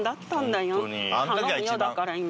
だから今。